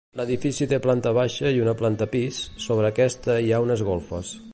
L'edifici té planta baixa i una planta pis, sobre aquesta hi ha unes golfes.